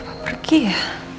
ma pergi ya